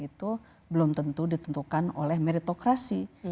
itu belum tentu ditentukan oleh meritokrasi